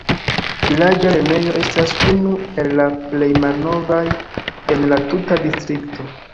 Vilaĝa lernejo estas unu el la plej malnovaj en la tuta distrikto.